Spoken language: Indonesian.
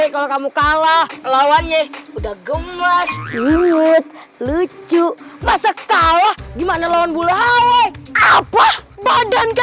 kalau kamu kalah lawannya udah gemes lucu masa kalah gimana lawan